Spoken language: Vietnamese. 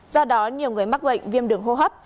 do đó nhiều người mắc bệnh viêm đường hô hấp